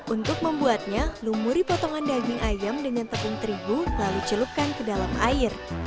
untuk membuatnya lumuri potongan daging ayam dengan tepung terigu lalu celupkan ke dalam air